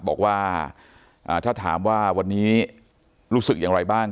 บอกว่าถ้าถามว่าวันนี้รู้สึกอย่างไรบ้าง